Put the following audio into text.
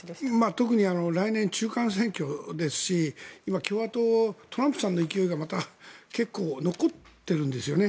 特に来年中間選挙ですし今、共和党トランプさんの勢いがまた結構残ってるんですよね。